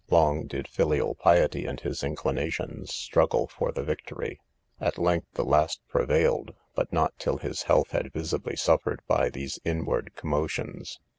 Long did filial piety and his inclinations struggle for the victory; at length the last prevailed, but not till his health had visibly suffered by these inward commotions.